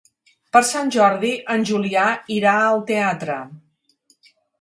Per Sant Jordi en Julià irà al teatre.